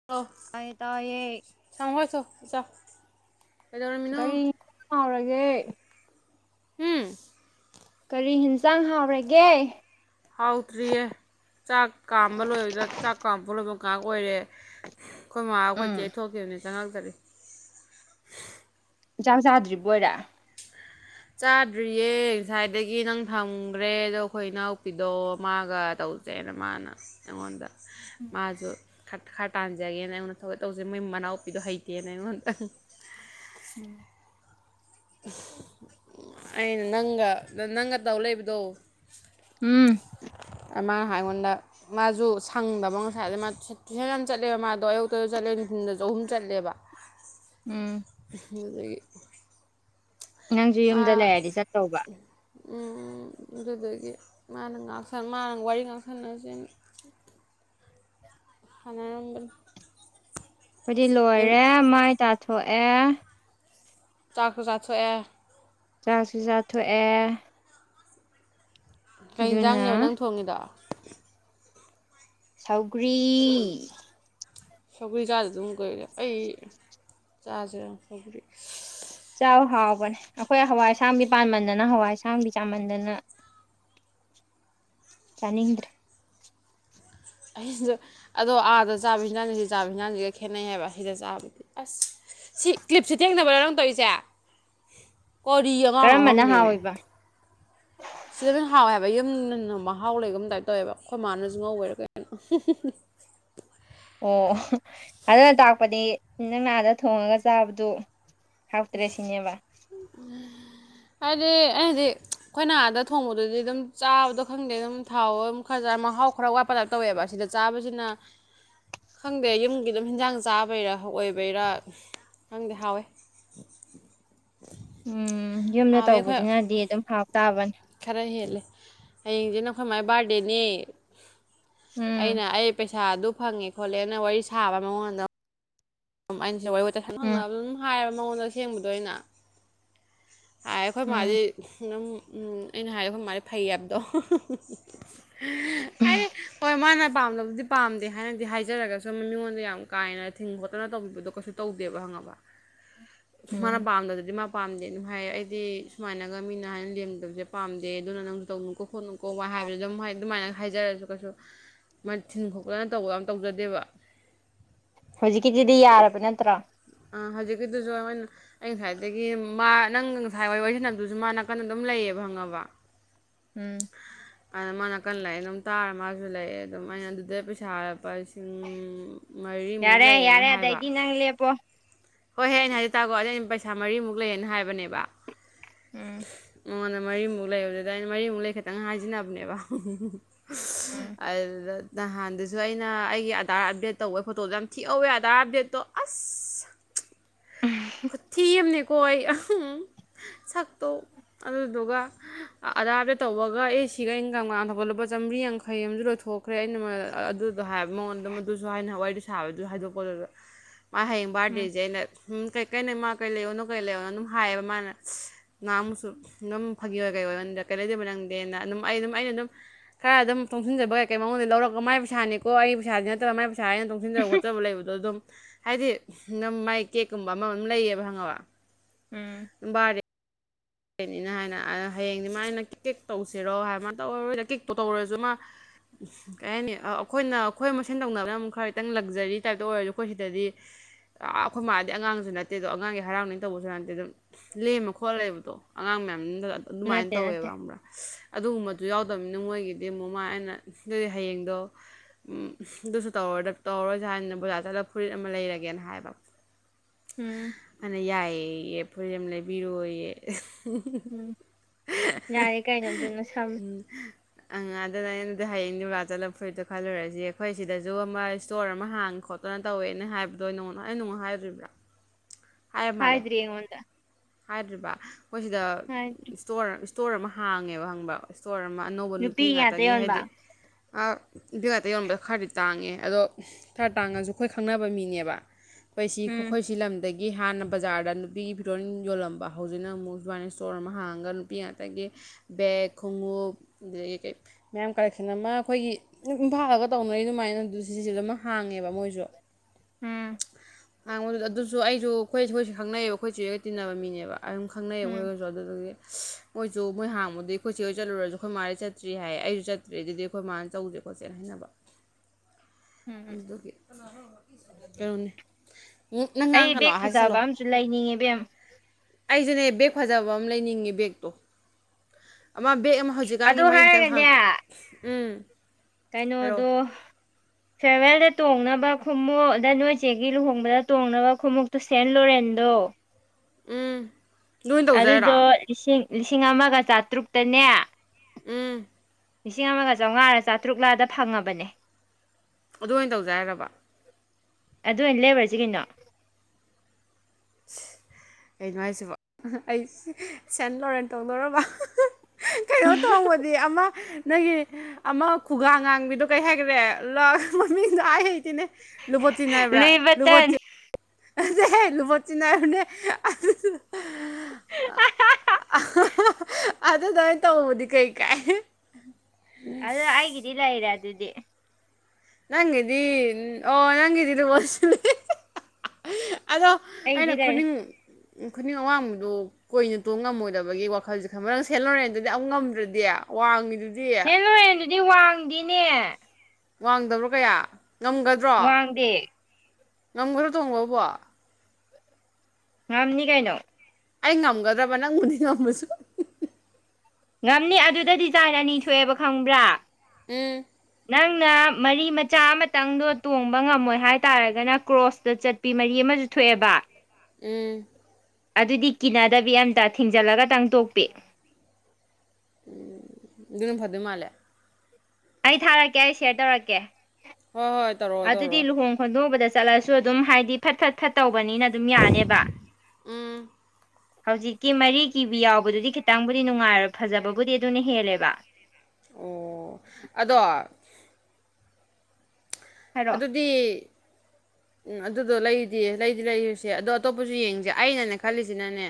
[inaudible] ꯇꯥꯌꯦ ꯇꯥꯌꯦ [unintelligible] ꯀꯔꯤ [unintelligible] ꯒꯦ ꯎꯝ ꯀꯔꯤ ꯌꯦꯟꯁꯥꯡ ꯍꯥꯎꯔꯒꯦ ꯍꯥꯎꯇ꯭ꯔꯤꯌꯦ ꯆꯥꯛ ꯀꯥꯝꯕ ꯂꯣꯏꯕꯗ ꯆꯥꯛ ꯀꯥꯝꯕꯄ ꯂꯣꯏꯕ ꯉꯥꯏꯍꯥꯛ ꯑꯣꯏꯔꯦ ꯑꯩꯈꯣꯏꯃꯥ ꯑꯩꯈꯣꯏ ꯆꯦ ꯊꯣꯛꯈꯤꯕꯅꯤ ꯆꯪꯉꯛꯇ꯭ꯔꯤ ꯆꯥꯛ ꯆꯥꯗ꯭ꯔꯤꯕꯣꯏꯔꯦ ꯆꯥꯗ꯭ꯔꯤꯌꯦ ꯉꯁꯥꯏꯗꯒꯤ ꯅꯪ ꯊꯝꯈ꯭ꯔꯦ ꯑꯗꯣ ꯑꯩꯈꯣꯏ ꯏ ꯅꯥꯎꯄꯤꯗꯣ ꯃꯥꯒ ꯇꯧ [unintelligible] ꯃꯥꯅ ꯑꯩꯉꯣꯟꯗ ꯃꯥꯁꯨ ꯈꯔ ꯈꯔ ꯇꯥꯟꯖꯒꯦꯅ ꯑꯩꯉꯣꯟꯗ [unintelligible] ꯇꯧꯁꯦ ꯃꯣꯏ ꯃꯅꯥꯎꯄꯤꯗꯣ ꯍꯩꯇꯦꯅ ꯑꯩꯉꯣꯟꯗ ꯎꯝ ꯑꯩꯅ ꯅꯪꯒ ꯅꯪꯒ ꯇꯧ ꯂꯩꯕꯗꯣ ꯎꯝ ꯑ ꯃꯥ ꯍꯥꯏ ꯑꯩꯉꯣꯟꯗꯥ ꯃꯥꯁꯨ ꯁꯪꯗꯕ ꯉꯁꯥꯏ ꯑꯗ ꯃꯥ ꯇꯨꯁꯟ--ꯇꯨꯁꯟ ꯃꯌꯥꯝ ꯆꯠꯂꯦꯕ ꯃꯥꯗꯣ ꯑꯌꯨꯛꯇꯁꯨ ꯆꯠꯂꯦ ꯅꯨꯡꯊꯤꯟꯜꯗꯁꯨ ꯑꯍꯨꯝ ꯆꯠꯂꯦꯕ ꯎꯝ ꯑꯗꯨꯗꯨꯒꯤ ꯅꯪꯁꯨ ꯃꯥ ꯌꯨꯝꯗ ꯂꯩꯔꯗꯤ ꯆꯠꯇꯧꯕ ꯎꯝ ꯑꯗꯨꯗꯨꯒꯤ ꯃꯥꯅ ꯉꯥꯛ [unintelligible] ꯃꯥꯅ ꯋꯥꯔꯤ ꯉꯥꯛ ꯁꯥꯟꯅꯁꯦꯅꯥ ꯁꯥꯅꯥꯔꯝꯕꯅꯤ ꯑꯩꯈꯣꯏꯗꯤ ꯂꯣꯏꯔꯦ ꯃꯥꯏ ꯇꯥꯊꯣꯛꯑꯦ ꯆꯥꯛꯁꯨ ꯆꯥꯊꯣꯛꯑꯦ ꯆꯥꯛꯁꯨ ꯆꯥꯊꯣꯛꯑꯦ ꯀꯩ ꯑꯗꯨꯅ ꯌꯦꯟꯖꯥꯡꯅꯦꯕ ꯅꯪ ꯊꯣꯡꯉꯤꯗꯣ ꯁꯧꯒ꯭ꯔꯤ ꯁꯧꯒꯔꯤ ꯆꯥꯗꯥꯗꯨꯝ ꯀꯨꯏꯔꯦ ꯑꯩ ꯆꯥꯁꯦꯔ ꯁꯧꯒꯔꯤ ꯆꯥꯎ ꯍꯥꯎꯕꯅꯦ ꯑꯩꯈꯣꯏ ꯍꯋꯥꯏ ꯑꯁꯥꯡꯕꯤ ꯄꯥꯟꯕꯃꯟꯗꯅ ꯍꯋꯥꯏ ꯑꯁꯥꯡꯕꯤ ꯆꯥꯃꯟꯗꯅ ꯆꯥꯅꯤꯡꯗ꯭ꯔꯦ [unintelligible] ꯑꯗꯣ ꯑꯥꯗ ꯆꯥꯕ ꯍꯦꯟꯖꯥꯡꯁꯤꯒ ꯁꯤꯗ ꯆꯥꯕ ꯍꯟꯖꯥꯡꯁꯤꯒ ꯈꯦꯠꯅꯩ ꯍꯥꯏꯕ ꯁꯤꯗ ꯆꯥꯕꯁꯤ ꯑꯁ ꯁꯤ ꯀ꯭ꯂꯤꯞꯁꯦ ꯇꯦꯛꯅꯕ꯭ꯔꯥ ꯅꯪ ꯇꯧꯔꯤꯁꯦ [inaudible] ꯀꯔꯤ [unintelligible] ꯀꯔꯝꯕꯅ ꯈꯪꯗꯦꯃꯤ ꯍꯥꯎꯋꯤꯕ ꯁꯤꯗꯅ ꯍꯥꯎꯋꯦ ꯍꯥꯏꯕ ꯌꯨꯝꯗꯅ ꯃꯍꯥꯎ ꯂꯩꯒꯨꯝ ꯇꯥꯏꯞ ꯇꯧꯋꯦꯕ ꯈꯣꯏ ꯃꯥꯅꯖꯨ ꯉꯧꯕꯩꯔꯥ ꯀꯩꯅꯣ ꯑꯣ ꯑꯗꯨꯅ ꯇꯥꯛꯄꯗꯤ ꯅꯪꯅ ꯑꯥꯗ ꯊꯣꯡꯉꯒ ꯆꯥꯕꯗꯨ ꯍꯥꯥꯎꯇ꯭ꯔꯦ ꯁꯤꯅꯦꯕ ꯍꯥꯏꯗꯤ ꯑꯩꯅ ꯍꯥꯏꯗꯤ ꯑꯩꯈꯣꯏꯅ ꯑꯥꯗ ꯊꯣꯡꯕꯗꯨꯗꯤ ꯑꯗꯨꯝ ꯆꯥꯕꯗꯣ ꯈꯪꯗꯦ ꯑꯗꯨꯝ ꯊꯥꯎ ꯈꯔꯗ ꯃꯍꯥꯎ ꯈꯔ ꯋꯥꯠꯄ ꯇꯥꯏꯞ ꯇꯧꯋꯦꯕ ꯑꯁꯤꯗ ꯆꯥꯕꯖꯤꯅ [inaudible] ꯈꯪꯗꯦ ꯌꯨꯝꯒꯤ ꯑꯗꯨꯝ ꯍꯤꯟꯖꯥꯡ ꯆꯥꯕꯩꯔꯥ ꯑꯣꯏꯕꯩꯔꯥ ꯈꯪꯗꯦ ꯍꯥꯎꯋꯤ ꯎꯝ ꯌꯨꯝꯗ ꯍꯥꯎꯋꯦ ꯑꯩꯈꯣꯏ ꯇꯧꯕꯖꯤꯅꯗꯤ ꯑꯗꯨꯝ ꯍꯥꯎ ꯇꯥꯕꯅꯤ ꯈꯔ ꯍꯦꯜꯂꯦ ꯍꯌꯦꯡꯖꯤꯅ ꯈꯣꯏ ꯃꯥꯏ ꯕꯥꯔꯗꯦꯅꯤ ꯎꯝ ꯑꯩꯅ ꯑꯩ ꯄꯩꯁꯥ ꯑꯗꯨ ꯐꯪꯉꯦ ꯈꯣꯠꯂꯦꯅ ꯋꯥꯔꯤ ꯁꯥꯕ ꯃꯉꯣꯟꯗ ꯑꯩꯅꯁ ꯋꯥꯔꯤ ꯋꯥꯇꯥꯏ [unintelligible] ꯁ ꯎꯝ ꯈꯪꯅꯕ ꯑꯗꯨꯝ ꯍꯥꯏꯕ ꯃꯉꯣꯟꯗ ꯁꯦꯡꯕꯗꯣ ꯑꯩꯅ ꯍꯥꯏ ꯑꯩꯈꯣꯏ ꯎꯝ ꯃꯥꯗꯤ ꯑꯗꯨꯝ ꯑꯩꯅ ꯍꯥꯏꯌꯦ ꯑꯩꯈꯣꯏ ꯃꯥꯗꯤ ꯐꯩ ꯍꯥꯏꯕꯗꯣ ꯑꯩ ꯍꯣꯏ ꯃꯥꯅ ꯄꯥꯝꯗꯕꯗꯤ ꯄꯥꯝꯗꯦ ꯍꯥꯏꯅꯗꯤ ꯍꯥꯏꯖꯔꯒꯁꯨ ꯃꯤꯉꯣꯟꯗ ꯌꯥꯝ ꯀꯥ ꯍꯦꯟꯅ ꯊꯤꯡ ꯈꯣꯠꯇꯅ ꯇꯧꯕꯤꯕꯗꯣ ꯀꯩꯁꯨ ꯇꯧꯗꯦꯕ ꯈꯪꯉꯕ [inaudible] ꯃꯥꯅ ꯄꯥꯝꯗꯕꯗꯨꯗꯤ ꯃꯥ ꯄꯥꯝꯗꯦ ꯗꯨꯝ ꯍꯥꯏ ꯑꯩꯗꯤ ꯁꯨꯃꯥꯏꯅꯒ ꯃꯤꯅ ꯍꯥꯏꯅ ꯂꯦꯝꯗꯕꯁꯦ ꯄꯥꯝꯗꯦ ꯑꯗꯨꯅ ꯅꯪꯁꯨ ꯇꯧꯅꯤꯡꯀꯣ ꯈꯣꯠꯅꯨ [unintelligible] ꯍꯧꯖꯤꯛꯀꯤꯗꯨꯗꯤ ꯌꯥꯔꯕ ꯅꯠꯇ꯭ꯔꯣ ꯑ ꯍꯧꯖꯤꯛꯀꯤꯗꯨꯁꯨ [unintelligible] ꯑꯩ ꯉꯁꯥꯏꯗꯒꯤ ꯃꯥ ꯅꯪ ꯉꯁꯥꯏ ꯋꯥꯔꯤ ꯋꯥꯔꯤꯁꯟꯅꯗꯨꯁꯨ ꯃꯥ ꯅꯥꯀꯟꯗ ꯑꯗꯨꯝ ꯂꯩꯌꯦꯕ ꯈꯪꯉꯕ ꯎꯝ ꯑꯗ ꯃꯥ ꯅꯥꯀꯟ ꯂꯩꯌꯦ ꯑꯗꯨꯝ ꯇꯥꯔ ꯃꯥꯁꯨ ꯂꯩꯑꯦ ꯑꯗꯨꯝ ꯑꯩꯅ ꯑꯗꯨꯗꯩ ꯄꯩꯁꯥ ꯂꯨꯄꯥ ꯂꯤꯁꯤ ꯌꯥꯔꯦ ꯌꯥꯔꯦ ꯍꯥꯏꯕ ꯑꯗꯩꯗꯤ ꯅꯪ ꯂꯦꯄꯣ ꯍꯣꯏꯍꯦ ꯑꯩꯅ ꯍꯥꯏꯖꯦ ꯇꯥꯒꯣ ꯑꯗꯨ ꯑꯩꯅ ꯄꯩꯁꯥ ꯃꯔꯤꯃꯨꯛ ꯂꯩꯌꯦꯅ ꯍꯥꯏꯕꯅꯦꯕ ꯎꯝ ꯎꯝ ꯃꯉꯣꯟꯗ ꯃꯔꯤꯃꯨꯛ ꯂꯩꯕꯗꯨꯗ ꯑꯩꯅ ꯃꯔꯤꯃꯨꯛ ꯂꯩ ꯈꯇꯪ ꯍꯥꯏꯖꯤꯟꯅꯕꯅꯦꯕ ꯎꯝ ꯑꯗꯨꯗꯥ ꯅꯍꯥꯟꯗꯁꯨ ꯑꯩꯅ ꯑꯩꯒꯤ ꯑꯙꯥꯔ ꯑꯞꯗꯦꯠ ꯇꯧꯕ ꯐꯣꯇꯣꯗꯣ ꯌꯥꯝ ꯊꯤꯛꯍꯧꯋꯦ ꯑꯙꯥꯔ ꯑꯞꯗꯦꯠꯇꯣ ꯑꯁ ꯈꯨꯊꯤ ꯑꯝꯅꯦꯀꯣ ꯑꯩ ꯁꯛꯇꯣ ꯑꯗꯨꯗꯨꯒ ꯑꯙꯥꯔꯗꯣ ꯇꯧꯕꯒ ꯑꯦꯁ ꯁꯤꯒ ꯏꯟꯀꯝꯒ ꯇꯥꯟꯊꯣꯛꯄ ꯂꯨꯄꯥ ꯆꯥꯝꯔꯤ ꯌꯥꯡꯈꯩ ꯑꯃꯁꯨ ꯂꯣꯏꯊꯣꯛ ꯈ꯭ꯔꯦ ꯑꯩꯅ ꯃꯥꯗꯑ ꯑꯗꯨꯗꯣ ꯍꯥꯏꯕ ꯃꯉꯣꯟꯗ ꯃꯗꯨꯁꯨ ꯍꯥꯏꯅ ꯋꯥꯔꯤꯗꯨ ꯁꯥꯕꯗꯨ ꯍꯥꯏꯗꯣꯛꯄꯗꯨꯗ ꯃꯥ ꯍꯌꯦꯡ ꯎꯝ ꯕꯥꯔꯗꯦꯁꯦ ꯑꯩꯅ ꯎ ꯀꯩꯀꯩꯅꯣ ꯃꯥ ꯀꯩ ꯂꯩꯌꯣꯅꯣ ꯀꯩ ꯂꯩꯌꯣꯅꯣ ꯑꯗꯨꯝ ꯍꯥꯏꯌꯦꯕ ꯃꯥꯅ ꯅꯍꯥꯃꯨꯛꯁꯨ ꯑꯗꯨꯝ ꯐꯥꯒꯤ ꯑꯣꯏ ꯀꯩ ꯑꯣꯏ ꯑꯣꯟꯗ ꯀꯩ ꯂꯩꯗꯣꯏꯕ ꯅꯪꯗꯤꯅ ꯑꯗꯨꯝ ꯑꯩ ꯑꯗꯨꯝ ꯑꯩꯅ ꯑꯗꯨꯝ ꯈꯔ ꯑꯗꯨꯝ ꯇꯣꯡꯁꯤꯟꯖꯕ ꯀꯩ ꯀꯩ ꯃꯉꯣꯟꯗ ꯂꯧꯔꯛꯄ ꯃꯥꯏꯩꯁꯥꯅꯤꯀꯣ ꯑꯩ ꯄꯩꯁꯥꯗꯤ ꯅꯠꯇ꯭ꯔ ꯃꯥꯏ ꯄꯩꯁꯥ ꯍꯥꯏꯩꯅ ꯇꯣꯡꯁꯤꯟꯖꯕ ꯈꯣꯠ ꯈꯣꯠꯆꯕ ꯂꯩꯕꯗꯣ ꯑꯗꯨꯝ ꯍꯥꯏꯗꯤ ꯅꯝ ꯃꯥꯏ ꯀꯦꯛꯀꯨꯝꯕ ꯑꯃꯝ ꯂꯩꯌꯦꯕ ꯈꯪꯉꯕ ꯎꯝ ꯕꯥꯔꯗꯦ ꯀꯅꯤꯅ ꯍꯥꯏꯅ ꯍꯌꯦꯡꯗꯤ ꯃꯥ ꯑꯩꯅ ꯀꯦꯛ ꯇꯧꯁꯤꯔꯣ ꯍꯥꯏꯕ ꯃꯥ ꯇꯧꯔꯔꯣꯏꯅ ꯀꯦꯛꯇꯣ ꯇꯧꯔꯁꯨ ꯃꯥ [inaudible] ꯀꯩ ꯍꯥꯏꯅꯤ ꯑꯩꯈꯣꯏꯅ ꯑꯩꯈꯣꯏ ꯃꯁꯦꯟ ꯇꯧꯅꯕꯅ ꯑꯃꯨꯛ ꯈꯔ ꯈꯤꯇꯪ ꯂꯛꯖꯔꯤ ꯇꯥꯏꯞꯇ ꯑꯣꯏꯔꯁꯨ ꯑꯩꯈꯣꯏ ꯁꯤꯗꯗꯤ ꯑꯥ ꯑꯩꯈꯣꯏ ꯃꯥꯗꯤ ꯑꯉꯥꯡꯁꯨ ꯅꯠꯇꯦꯗꯣ ꯑꯉꯥꯡꯒꯤ ꯍꯔꯥꯎꯅꯤꯡ ꯇꯧꯕꯁꯨ ꯅꯠꯇꯦ ꯑꯗꯨꯝ ꯂꯦꯝꯃ ꯈꯣꯠꯂꯦꯕꯗꯣ ꯑꯉꯥꯡ ꯃꯌꯥꯝꯗꯨ ꯑꯗꯨꯃꯥꯏꯅ ꯅꯠꯇꯦ ꯅꯠꯇꯦ ꯇꯧꯋꯦꯕ ꯈꯪꯕꯔ꯭ꯥ ꯑꯗꯨꯒꯨꯝꯕꯗꯨ ꯌꯥꯎꯗꯕꯅꯤꯅ ꯃꯣꯏꯒꯤꯗꯤ ꯑꯃꯨꯛ ꯃꯥ ꯑꯩꯅ ꯍꯌꯦꯡꯗꯣ ꯑꯗꯨꯁꯨ ꯇꯧꯔꯔꯣꯏꯁꯦ ꯍꯥꯏꯗꯅ ꯕꯖꯥꯔ ꯆꯠꯂꯒ ꯐꯨꯔꯤꯠ ꯑꯃ ꯂꯩꯔꯒꯦꯅ ꯍꯥꯏꯕ ꯎꯝ ꯃꯥꯅ ꯌꯥꯏꯌꯦꯌꯦ ꯐꯨ ꯌꯥꯝ ꯂꯩꯕꯤꯔꯣꯏꯌꯦ ꯎꯝ ꯌꯥꯔꯦ ꯀꯩꯅꯣ ꯑꯗꯨꯅ ꯁꯝꯃꯦ ꯎꯝ ꯑꯪ ꯑꯗꯨꯅ ꯑꯩꯅꯗꯤ ꯍꯌꯦꯡ ꯨꯔꯥ ꯆꯠꯂꯞ ꯐꯨꯔꯤꯠꯇꯣ ꯈꯜꯂꯨꯔꯁꯤ ꯑꯩꯈꯣꯏ ꯁꯤꯗꯁꯨ ꯑꯃ ꯏꯁꯇꯣꯔ ꯑꯃ ꯍꯥꯡ ꯈꯣꯠ ꯀꯃꯥꯏ ꯇꯧꯋꯦꯅꯦ ꯍꯥꯏꯕꯗꯣ ꯅꯉꯣꯟꯅꯩꯅ ꯅꯉꯣ ꯍꯥꯏꯗꯔꯤꯕ꯭ꯔꯥ [inaudible] ꯍꯥꯏ ꯃꯥꯂꯦ ꯍꯥꯏꯗ꯭ꯔꯤ ꯑꯩꯉꯣꯟꯗ ꯍꯥꯏ꯭ꯔꯤꯕ ꯃꯈꯣꯏ ꯁꯤꯗ ꯍꯥꯏꯔꯤ ꯏꯁꯇꯣꯔ ꯏꯁꯇꯣꯔ ꯑꯃ ꯍꯥꯡꯉꯦꯕ ꯍꯪꯕ ꯏꯁꯇꯣꯔ ꯑꯃ ꯑꯅꯧꯕ ꯅꯨꯄꯤ ꯉꯥꯛꯇ ꯉꯥꯛꯇꯒꯤ ꯌꯣꯟꯕ ꯍꯥꯏꯗꯤ ꯕꯦꯒꯠꯇ ꯌꯣꯟꯕꯗꯣ ꯈꯔꯗꯤ ꯇꯥꯡꯉꯦ ꯑꯗꯣ ꯈꯔ ꯇꯥꯡꯉꯁꯨ ꯑꯩꯈꯣꯏ ꯈꯪꯅꯕ ꯃꯤꯅꯦꯕ ꯑꯩꯈꯣꯏ ꯁꯤ ꯎꯝ ꯑꯩꯈꯣꯏ ꯁꯤ ꯂꯝꯗꯒꯤ ꯍꯥꯟꯅ ꯕꯖꯥꯔꯗ ꯅꯨꯄꯤꯒꯤ ꯐꯤꯔꯣꯜ ꯌꯣꯜꯂꯝꯕ ꯍꯧꯖꯤꯛꯅ ꯑꯃꯨꯛ ꯗꯨꯕꯥꯅꯤ ꯏꯁꯇꯣꯔ ꯑꯃ ꯍꯥꯡꯉꯒ ꯅꯨꯄꯤ ꯉꯥꯛꯇꯒꯤ ꯕꯦꯦꯛ ꯈꯣꯡꯎꯞ ꯑꯗꯨꯗꯒꯤ ꯀꯩ ꯃꯌꯥꯝ ꯀꯂꯦꯛꯁꯟ ꯑꯃ ꯑꯩꯈꯣꯏꯒꯤ ꯃꯤ ꯏꯝꯐꯥꯜꯗꯒ ꯇꯧꯅꯩꯗꯨ ꯑꯗꯨꯃꯥꯏꯅ ꯑꯗꯨ ꯁꯤꯁꯤꯗ ꯑꯃ ꯍꯥꯡꯉꯦꯕ ꯃꯣꯏꯁꯨ ꯎꯝ ꯍꯥꯡꯕꯗꯨꯗ ꯑꯗꯨꯁꯨ ꯑꯩꯁꯨꯈꯣꯏ ꯑꯩꯈꯣꯏꯁꯨ ꯈꯪꯅꯩꯌꯦꯕ ꯑꯩꯈꯣꯏ ꯆꯔꯒ ꯇꯤꯟꯅꯕ ꯃꯤꯅꯦꯕ ꯑꯗꯨꯝ ꯈꯪꯅꯩꯌꯦꯕ ꯎꯝ ꯑꯩꯈꯣꯏꯒꯁꯨ ꯑꯗꯨꯝ ꯑꯗꯨꯗꯒꯤ ꯃꯣꯏꯁꯨ ꯃꯣꯏ ꯍꯥꯡꯕꯨꯗꯤ ꯑꯩꯈꯣꯏꯆꯦ ꯍꯣꯏ ꯆꯠꯂꯨꯔꯁꯨ ꯑꯩꯈꯣꯏ ꯃꯥꯗꯩ ꯆꯠꯇ꯭ꯔꯤ ꯍꯥꯏ ꯑꯩꯁꯨ ꯆꯠ ꯑꯗꯨꯗꯩꯗꯗꯤ ꯑꯩꯈꯣꯏ ꯃꯥꯅ ꯇꯧꯁꯦ ꯈꯣꯠꯆꯦꯅ ꯍꯥꯏꯅꯕ [inaudible] ꯎꯝ ꯎꯝ ꯑꯗꯨ ꯀꯅꯤ ꯃꯨꯛ ꯅꯪ ꯉꯥꯡ ꯑꯩ ꯀꯩꯅꯣ ꯕꯦꯛ ꯍꯥꯏ ꯆꯠꯂꯣ ꯐꯖꯕ ꯑꯃꯁꯨ ꯂꯩꯅꯤꯡꯉꯦ ꯏꯕꯦꯝ ꯑꯩꯁꯨꯦꯅꯦ ꯕꯦꯒ ꯐꯖꯕ ꯑꯃ ꯂꯩꯅꯤꯡꯉꯤ ꯕꯦꯛꯇꯣ ꯑꯃ ꯕꯦꯒ ꯑꯃ ꯍꯧꯖꯤꯛ ꯑꯗꯨ ꯍꯥꯏꯔꯒꯅꯦ ꯎꯝ ꯍꯥꯏꯔꯛꯑꯣ ꯀꯩꯅꯣꯗꯣ ꯐꯦꯔꯋꯦꯜꯗ ꯇꯣꯡꯅꯕ ꯈꯣꯡꯃꯨꯣꯛ ꯑꯗ ꯅꯣꯏ ꯆꯦꯒꯤ ꯂꯨꯍꯣꯡꯕꯗ ꯇꯣꯡꯅꯕ ꯈꯣꯡꯃꯨꯞ ꯇꯣ ꯁꯦꯟ ꯂꯣꯔꯦꯟꯗꯣ ꯎꯝ ꯑꯗꯨ ꯑꯣꯏꯅ ꯇꯧꯁꯦ ꯍꯥꯏꯔꯣ ꯑꯗꯨꯗꯣ ꯂꯤꯁꯤꯡ ꯂꯤꯁꯤꯡ ꯑꯃꯒ ꯆꯥꯇ꯭ꯔꯨꯛꯇꯅꯦ ꯎꯝ ꯂꯤꯁꯤꯡ ꯑꯃꯒ ꯆꯥꯝꯃꯉꯥ ꯆꯥꯇ꯭ꯔꯨꯛꯂꯥꯗ ꯐꯪꯉꯕꯅꯦ ꯑꯗꯨ ꯑꯣꯏꯅ ꯇꯧꯖꯥꯏ ꯍꯥꯏꯔꯕ ꯑꯗꯨ ꯑꯣꯏꯅ ꯂꯦꯕꯔꯁꯤ ꯀꯩꯅꯣ [inaudible] ꯀꯩꯅꯣ ꯍꯥꯏꯁꯤꯕ ꯑꯩ ꯁꯦꯟ ꯂꯣꯔꯦꯟ ꯇꯧꯗꯔꯕ ꯀꯩꯅꯣ ꯇꯧꯕꯗꯤ ꯑꯃ ꯅꯪꯒꯤ ꯑꯃ ꯈꯨꯒꯥ ꯉꯥꯡꯕꯤꯗꯣ ꯀꯔꯤ ꯍꯥꯏꯈꯔꯦ ꯃꯃꯤꯡꯗꯣ ꯍꯥꯏ ꯍꯩꯇꯦꯅꯦ ꯂꯨꯕꯇ ꯅꯥꯏꯕ꯭ꯔ ꯂꯨꯏꯕꯇꯟ ꯂꯨꯕꯇ ꯍꯦ ꯂꯨꯕꯠ ꯆꯅꯥꯏꯅꯦ ꯑꯗꯨ ꯑꯗꯨꯃꯥꯏꯅ ꯇꯧꯕꯕꯨꯗꯤ ꯀꯩ ꯀꯥꯏ ꯑꯗꯨ ꯑꯩꯒꯤꯗꯤ ꯂꯩꯔꯦ ꯑꯗꯨꯗꯤ ꯅꯪꯒꯤꯗꯤ ꯑꯣ ꯅꯪꯒꯤꯗꯤ ꯅꯉꯣꯁꯤꯅꯦ ꯑꯗꯣ ꯑꯩꯗꯤ ꯑꯩꯅ ꯂꯩꯔꯦ ꯈꯨꯅꯤꯡ ꯈꯨꯅꯤꯡ ꯑꯋꯥꯡꯕꯗꯨ ꯀꯣꯏꯅ ꯇꯣꯡ ꯉꯝꯃꯣꯏꯗꯕꯒꯤ ꯋꯥꯈꯜꯁꯦ ꯈꯪꯕ ꯅꯪ ꯁꯦꯟꯂꯣꯔꯦꯟꯗꯨꯗꯤ ꯑꯃꯨꯛ ꯉꯝꯗ꯭ꯔꯗꯤ ꯋꯥꯡꯉꯤꯗꯨ ꯁꯦꯟ ꯂꯣꯏꯦꯟꯗꯨꯗꯤ ꯋꯥꯡꯗꯤꯅꯦ ꯋꯥꯡꯗꯕ꯭ꯔꯣ ꯀꯌꯥ ꯉꯝꯒꯗ꯭ꯔꯣ ꯋꯥꯡꯗꯦ ꯉꯝꯒꯗ꯭ꯔꯣ ꯊꯣꯡꯕꯕꯣ ꯉꯝꯅꯤꯀꯩꯏꯅꯣ ꯑꯩ ꯉꯝꯒꯗ꯭ꯔꯕ ꯅꯪꯕꯨꯗꯤ ꯉꯝꯃꯁꯨ ꯉꯝꯅꯤ ꯑꯗꯨꯗ ꯗꯤꯖꯥꯏꯟ ꯑꯅꯤ ꯊꯣꯛꯑꯦꯕ ꯈꯪꯕ꯭ꯔꯥ ꯎꯝ ꯅꯪꯅ ꯃꯔꯤ ꯃꯆꯥ ꯑꯃꯇꯪꯗꯣ ꯇꯣꯡꯕ ꯉꯝꯃꯣꯏ ꯍꯥꯏꯇꯥꯔꯒꯅ ꯀ꯭ꯔꯣꯁꯇ ꯆꯠ ꯄꯤ ꯃꯔꯤ ꯑꯃꯁꯨ ꯊꯣꯛꯑꯦꯕ ꯎꯝ ꯑꯗꯨꯗꯤ ꯀꯤꯅꯗꯕꯤ ꯑꯝꯇ ꯊꯤꯡꯖꯜꯂꯒ ꯇꯪ ꯇꯣꯛꯄꯤ ꯑꯗꯨꯝ ꯅ ꯐꯗꯨꯏ ꯃꯥꯂꯦ ꯑꯩ ꯊꯥꯔꯛꯀꯦ ꯑꯩ ꯁꯦꯌꯔ ꯇꯧꯔꯛꯀꯦ ꯍꯣꯏ ꯍꯣꯏ ꯇꯧꯔꯛꯑꯣ ꯑꯗꯨꯗꯤ ꯇꯧꯔꯛꯑꯣ ꯂꯨꯍꯣꯡ ꯈꯣꯟꯗꯣꯡꯕꯗ ꯆꯠꯂꯁꯨ ꯑꯗꯨꯝ ꯍꯥꯏꯗꯤ ꯐꯠ ꯐꯠ ꯐꯠꯇꯧꯕꯅꯤꯅ ꯑꯗꯨꯝ ꯌꯥꯅꯦꯕ ꯎꯝ ꯍꯧꯖꯤꯛꯀꯤ ꯃꯔꯤ ꯀꯤꯕꯤ ꯌꯥꯎꯕꯗꯨꯗꯤ ꯈꯤꯇꯪꯕꯨꯗꯤ ꯅꯨꯡꯉꯥꯏꯔꯣꯏ ꯐꯖꯕꯕꯨꯗꯤ ꯑꯗꯨꯅ ꯍꯦꯜꯂꯦꯕ ꯑꯣ ꯑꯗꯣ ꯍꯥꯏꯔꯛꯑꯣ ꯑꯗꯨꯗꯤ ꯎꯝ ꯑꯗꯨꯗꯣ ꯂꯩꯗꯤ ꯂꯩꯗꯤ ꯂꯩꯔꯨꯁꯦ ꯑꯗꯣ ꯑꯇꯣꯞꯄꯁꯨ ꯌꯦꯡꯁꯦ ꯑꯩꯅꯅꯦ ꯈꯜꯂꯤꯁꯤꯅꯅꯦ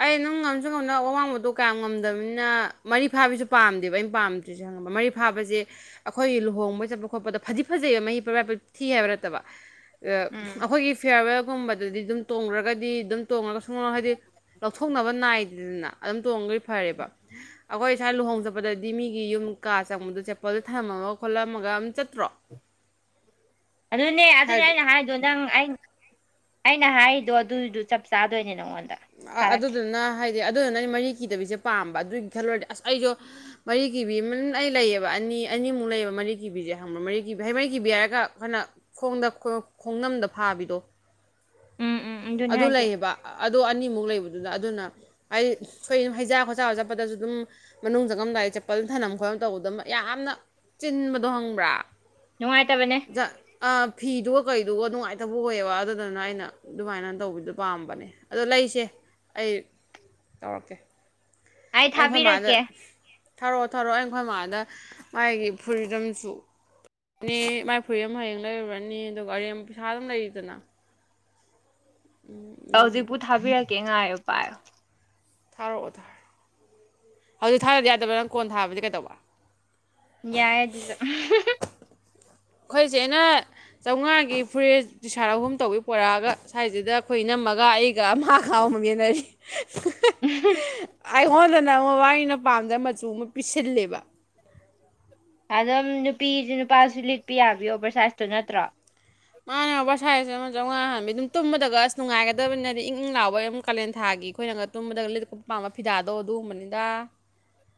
ꯑꯩ ꯅꯪ ꯉꯝꯁꯨ ꯉꯝꯗꯅ ꯑꯋꯥꯡꯕꯗꯣ ꯀꯌꯥꯝ ꯉꯝꯗꯕꯅꯤꯅ ꯃꯔꯤ ꯐꯥꯕꯤꯁꯨ ꯄꯥꯝꯗꯦꯕ ꯑꯩꯅ ꯄꯥꯝ ꯃꯔꯤ ꯐꯥꯕꯁꯦ ꯑꯩꯈꯣꯏꯒꯤ ꯂꯨꯍꯣꯡꯕ ꯆꯠꯄ ꯈꯣꯠꯄꯗ ꯐꯗꯤ ꯐꯖꯩꯕ ꯃꯍꯤ [unintelligible] ꯊꯤ ꯍꯥꯏꯕ ꯅꯠꯇꯕ ꯎꯝ ꯑꯩꯈꯣꯏꯒꯤ ꯐꯤꯌꯥꯔꯋꯦꯜꯒꯨꯝꯕꯗ ꯑꯗꯨꯗꯗꯤ ꯑꯗꯨꯝ ꯇꯣꯡꯈ꯭ꯔꯒꯗꯤ ꯑꯗꯨꯝ ꯇꯣꯡꯉꯒ ꯁꯨꯝ ꯍꯥꯏꯗꯤ ꯂꯧꯊꯣꯛꯅꯕ ꯅꯥꯏꯗꯦꯗꯅ ꯑꯗꯨꯝ ꯇꯣꯡꯉꯈꯩ ꯐꯔꯦꯕ ꯑꯩꯈꯣꯏ ꯏꯁꯥ ꯂꯨꯍꯣꯡ ꯆꯠꯄꯗꯗꯤ ꯃꯤꯒꯤ ꯌꯨꯝ ꯀꯥ ꯆꯪꯕꯗꯣ ꯆꯦꯄꯜꯗꯣ ꯊꯝꯂꯝꯝꯃꯒ ꯈꯣꯠꯂꯝꯃꯒ ꯑꯗꯨꯝ ꯆꯠꯇ꯭ꯔꯣ ꯑꯗꯨꯅꯦ ꯑꯗꯨꯅꯦ ꯍꯥꯏꯗꯤ ꯑꯩꯅ ꯍꯥꯏꯗꯣ ꯅꯪ ꯑꯩ ꯑꯩꯅ ꯍꯥꯏꯔꯤꯗꯣ ꯑꯗꯨꯗꯣ ꯆꯞ ꯆꯥꯗꯣꯏꯅꯦ ꯅꯪꯉꯣꯟꯗ ꯊꯥꯔꯛꯀꯦ ꯑꯗꯨꯗꯨꯅ ꯍꯥꯏꯗꯤ ꯑꯗꯨꯗꯨꯅ ꯑꯩ ꯃꯔꯤ ꯀꯤꯗꯕꯤꯁꯦ ꯄꯥꯝꯕ ꯑꯗꯨꯒꯤ ꯈꯜꯂꯨꯔꯗꯤ ꯑꯁ ꯑꯩꯁꯨ ꯃꯔꯤ ꯀꯤꯕꯤ ꯑꯃ ꯑꯩ ꯂꯩꯌꯦꯕ ꯑꯅꯤ ꯑꯅꯤꯃꯨꯛ ꯂꯩꯌꯦꯕ ꯃꯔꯤ ꯀꯤꯕꯤꯁꯦ ꯍꯪꯕ꯭ꯔꯣ ꯃꯔꯤ ꯀꯤꯕꯤ ꯍꯩ ꯃꯔꯤ ꯀꯤꯕꯤ ꯍꯥꯏꯔꯒ ꯐꯅ ꯈꯣꯡꯗ ꯈꯣꯡꯅꯝꯗ ꯐꯥꯕꯤꯗꯣ ꯎꯝ ꯎꯝ ꯑꯗꯨꯅꯦ ꯑꯗꯨ ꯍꯥꯏꯁꯦ ꯂꯩꯌꯦꯕ ꯑꯗꯨ ꯑꯅꯤꯃꯨꯛ ꯂꯩꯕꯗꯨꯗ ꯑꯗꯨꯅ ꯍꯥꯏꯗꯤ ꯁꯣꯏ ꯍꯩꯖꯥ ꯈꯣꯠꯖꯥ ꯆꯠꯄꯗꯁꯨ ꯑꯗꯨꯝ ꯃꯅꯨꯡ ꯆꯪꯉꯝꯗꯥꯏꯗ ꯆꯄꯜ ꯊꯅꯝ ꯈꯣꯠꯅꯂꯝ ꯇꯧꯕꯗ ꯌꯥꯝꯅ ꯆꯤꯟꯕꯗꯣ ꯈꯪꯕ꯭ꯔꯥ ꯅꯨꯡꯉꯥꯏꯇꯕꯅꯦ ꯖ ꯑ ꯐꯤꯗꯨꯒ ꯀꯩꯗꯨꯒ ꯅꯨꯡꯉꯥꯏꯇꯕ ꯑꯣꯏꯌꯦꯕ ꯑꯗꯨꯗꯨꯅ ꯑꯩꯅ ꯑꯗꯨꯃꯥꯏꯅ ꯇꯧꯕꯤꯗꯨꯣ ꯄꯥꯝꯕꯅꯦ ꯑꯗꯣ ꯂꯩꯁꯦ ꯑꯩ ꯇꯧꯔꯛꯀꯦ ꯑꯩ ꯑꯩꯈꯣꯏ ꯃꯥꯥꯗ ꯊꯥꯕꯤꯔꯛꯀꯦ ꯊꯧꯔꯛꯑꯣ ꯊꯧꯔꯛꯑꯣ ꯑꯩꯈꯣꯏ ꯃꯥꯃꯥꯗ ꯃꯥꯒꯤ ꯐꯨꯔꯤ ꯑꯃꯁꯨ ꯅꯤ ꯃꯥꯏ ꯐꯨꯔꯤꯠ ꯑꯃ ꯍꯌꯦꯡ ꯂꯩꯔꯨꯔꯅꯤ ꯑꯗꯨꯒ ꯑꯔꯦꯝ ꯄꯩꯁꯥ ꯑꯗꯨꯝ ꯂꯩꯔꯤꯗꯅ ꯎꯝ ꯍꯧꯖꯤꯛꯄꯨ ꯑꯗꯨꯗꯨꯒ ꯊꯥꯕꯤꯔꯛꯀꯦ ꯉꯥꯏ ꯎ ꯄꯥꯏ ꯑꯣ ꯊꯥꯔꯛꯑꯣ ꯊꯥꯔꯑꯣ ꯍꯧꯗꯤ ꯊꯥꯅꯗꯤ ꯌꯥꯗꯕ꯭ꯔꯥ ꯅꯪ ꯀꯣꯟ ꯊꯥꯕꯗꯤ ꯀꯩꯗꯧꯕ ꯌꯥꯏ ꯑꯗꯨꯁꯨ ꯑꯩꯈꯣꯏ ꯆꯦ ꯅ ꯆꯥꯝꯃꯉꯥꯒꯤ ꯐꯨꯔꯤꯠ ꯇꯤꯁꯥꯔ ꯑꯍꯨꯝ ꯇꯧꯋꯤ ꯄꯣꯔꯛꯑꯒ ꯁ꯭ꯋꯥꯏꯁꯤꯗ ꯑꯩꯈꯣꯏ ꯏ ꯅꯝꯃꯒ ꯑꯩꯒ ꯑꯃꯒ ꯈꯥꯎ ꯑꯃ ꯌꯦꯟꯅꯔꯤ ꯎꯝ ꯑꯩꯉꯣꯟꯗꯅ ꯃꯕꯥꯟꯅꯤꯅ ꯄꯥꯝꯗꯕ ꯃꯆꯨ ꯑꯃ ꯄꯤꯁꯤꯜꯂꯦꯕ ꯑꯗꯨꯝ ꯅꯨꯄꯤꯁꯨ ꯅꯨꯄꯥꯁꯨ ꯂꯤꯛꯄꯤ ꯌꯥꯕꯤ ꯑꯣꯕꯔꯁꯥꯏꯖꯇꯣ ꯅꯠꯇ꯭ꯔꯣ ꯃꯥꯅꯦ ꯑꯣꯕꯔꯁꯥꯏꯁ ꯑꯃ ꯆꯥꯝꯃꯉꯥ ꯍꯥꯟꯕꯤ ꯑꯗꯨꯝꯇꯨꯝꯕꯤꯗꯒ ꯑꯁ ꯅꯨꯡꯉꯥꯏꯒꯗꯕꯅꯤꯅꯗꯤ ꯏꯪ ꯏꯪ ꯂꯥꯎꯕꯩ ꯑꯗꯨꯝ ꯀꯥꯂꯦꯟꯊꯥꯒꯤ ꯑꯩꯈꯣꯏꯅꯒ ꯇꯨꯝꯕꯗ ꯂꯤꯔꯛꯄ ꯄꯥꯝꯕ ꯐꯤꯗꯥꯗꯣ ꯑꯗꯨꯒꯨꯝꯕꯅꯤꯗ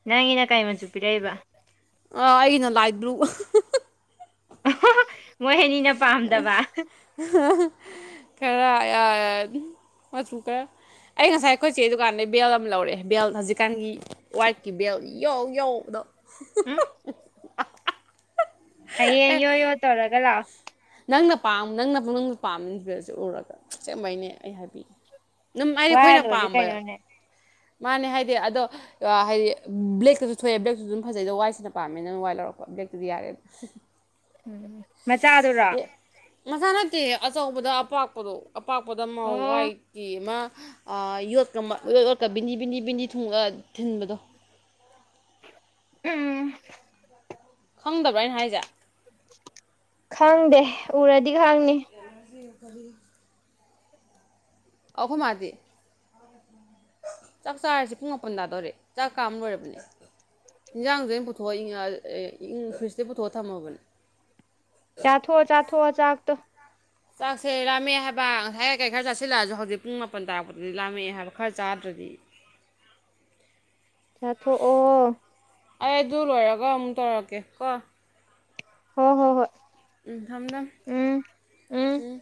ꯅꯪꯒꯤꯅ ꯀꯥꯏ ꯃꯆꯨ ꯄꯤꯔꯛꯏꯕ ꯑꯥ ꯑꯩꯅ ꯂꯥꯏꯕ꯭ꯔꯨ ꯑꯣ ꯃꯣ ꯍꯦꯅꯤꯅ ꯄꯥꯝꯗꯕ ꯈꯔ ꯃꯆꯨꯀ ꯑꯩ ꯉꯁꯥꯏ ꯑꯩꯈꯣꯏ ꯆꯦ ꯑꯩ ꯗꯨꯥꯟꯗꯒꯤ ꯕꯦꯜ ꯑꯃ ꯂꯧꯔꯛꯑꯦ ꯕꯦꯜ ꯍꯧꯖꯤꯛꯀꯥꯟꯒꯤ ꯋꯥꯏꯀꯤꯕ ꯌꯥꯎ ꯌꯥꯎꯗꯣ ꯎꯝ ꯍꯌꯦꯡ ꯑꯦ ꯌꯣ ꯌꯣ ꯇꯧꯔꯒ ꯂꯥ ꯅꯪꯅ ꯄꯥ ꯅꯪꯅ ꯄꯛꯅꯤꯡꯪꯁꯨ ꯄꯥꯝꯈꯤꯕꯁ ꯎꯔꯒ ꯆꯃꯩꯅꯦ ꯑꯩ ꯍꯥꯏꯕꯤꯒꯦ ꯑꯗꯨꯝ ꯑꯩꯗꯤ ꯋꯥꯔ ꯑꯩꯈꯣꯏꯅ ꯂꯣꯏꯔꯦ ꯄꯥꯝꯕꯕ ꯀꯩꯅꯣꯅꯦ ꯃꯥꯅꯦ ꯍꯥꯏꯗꯤ ꯑꯗꯣ ꯍꯥꯏꯗꯤ ꯕ꯭ꯂꯦꯛꯇꯁꯨ ꯊꯣꯛꯑ ꯕ꯭ꯂꯦꯛꯇꯁꯨ ꯑꯗꯨꯝ ꯐꯖꯩꯗ ꯋꯥꯏꯠꯁꯤꯅ ꯄꯥꯝꯃꯦ ꯅꯪꯅ ꯋꯥꯏꯠ ꯂꯧꯔꯛꯄ ꯕꯛꯇꯕꯤ ꯌꯥꯔꯦ ꯎꯝ ꯃꯆꯥꯗꯨꯔꯣ ꯃꯁꯥ ꯅꯠꯇꯦ ꯑꯆꯧꯕꯗ ꯑꯄꯥꯛꯄꯗꯣ ꯑꯄꯥꯛꯄꯗ ꯃꯥꯧ ꯑꯣ ꯋꯥꯏꯇꯤ ꯑꯃ ꯌꯣꯠꯀꯠ ꯌꯣꯠꯀ ꯕꯤꯟꯗꯤ ꯕꯤꯟꯗꯤ ꯕꯤꯟꯗꯤ ꯊꯨꯡ ꯊꯤꯟꯕꯗꯣ ꯎꯝ ꯈꯪꯗꯕ꯭ꯔꯥꯅ ꯍꯥꯏꯁꯦ ꯈꯪꯗꯦ ꯎꯔꯗꯤ ꯈꯪꯅꯤ ꯀꯗꯤ ꯑꯣꯍ ꯃꯥꯗꯤ ꯆꯥꯛ ꯆꯥꯔꯤꯁꯤꯦ ꯄꯨꯡ ꯃꯥꯄꯟ ꯇꯥꯗꯧꯔꯦ ꯆꯥꯛ ꯀꯥꯝ ꯂꯣꯏꯔꯕꯅꯦ ꯏꯟꯖꯥꯡꯗ ꯑꯩꯅ ꯐꯇꯣ ꯏ ꯑꯦ ꯏ ꯈꯔꯁꯇꯦ ꯐꯇꯣ ꯊꯝꯃꯕꯅꯤ ꯆꯥꯊꯣꯛꯑꯣ ꯆꯥꯊꯣꯛꯑꯣ ꯆꯥꯛꯇꯣ ꯆꯥꯛꯁꯦ ꯂꯥꯝꯃꯦꯑ ꯍꯥꯏꯕ ꯉꯁꯥꯏ ꯀꯩ ꯈꯔ ꯆꯥꯁꯤꯜꯂꯛꯑꯁꯨ ꯍꯧꯖꯤꯛ ꯄꯨꯡ ꯃꯥꯄꯟ ꯇꯥꯛꯄꯗꯗꯤ ꯂꯥꯝꯃꯛꯑ ꯍꯥꯏꯕ ꯈꯔ ꯆꯥꯗ꯭ꯔꯗꯤ ꯆꯥꯊꯣꯛꯑꯣ ꯑꯩ ꯑꯗꯨ ꯂꯣꯏꯔꯒ ꯑꯃꯨꯛ ꯇꯧꯔꯛꯀꯦ ꯀꯣ ꯍꯣ ꯍꯣ ꯍꯣꯏ ꯎꯝ ꯊꯝ ꯊꯝ ꯎꯝ